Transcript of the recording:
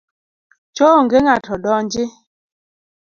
Cho onge ng’ato donji.